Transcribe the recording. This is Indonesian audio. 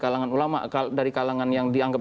kalangan ulama dari kalangan yang dianggap